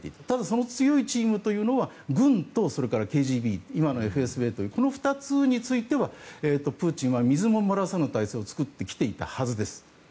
ただ、その強いチームというのは軍とＫＧＢ今のＦＳＢというこの２つについてはプーチンは水も漏らさぬ体制を作ってきたはずです。